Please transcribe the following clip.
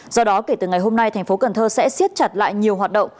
do đó kể từ ngày hôm nay thành phố cần thơ sẽ siết chặt lại nhiều hoạt động